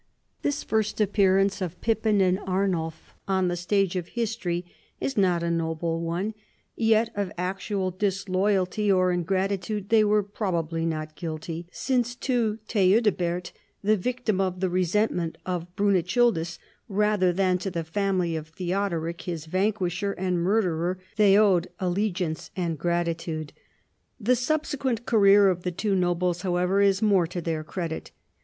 This first appearance of Pippin and Arnulf on the stage of history is not a noble one, yel of actual dis loyalty or ingratitude they were probably not guilty, since to Theudebert, the victim of the resentment of Brunechildis, rather than to the family of Theodoric, his vanquisher and murderer, they owed allegiance and gratitude. The sul)sequent career of the two nobles, however, is more to their credit.